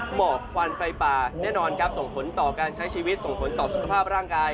หมอกควันไฟปลาแน่นอนครับ